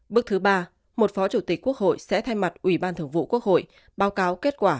bước thứ ba một phó chủ tịch quốc hội sẽ thay mặt ủy ban thường vụ quốc hội báo cáo kết quả